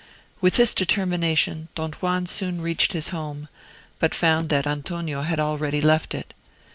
With this determination, Don Juan soon reached his home; but found that Antonio had already left it.